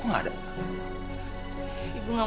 oh aku tak tahu ngapain